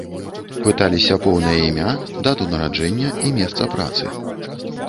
Пыталіся поўнае імя, дату нараджэння і месца працы.